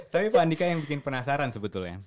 tapi pak andika yang bikin penasaran sebetulnya